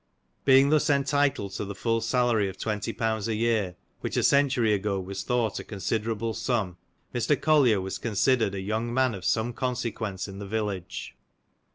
Being thus entitled to the full salary of twenty pounds a year, which a century ago was thought a considerable sum, Mr. Collier was considered a young man of some consequence in the village.